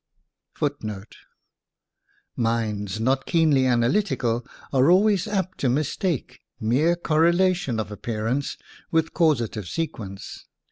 1 1 Minds not keenly analytical are always apt to mistake mere correlation of appearance with causative sequence.